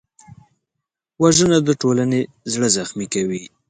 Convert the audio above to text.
وژنه د ټولنې زړه زخمي کوي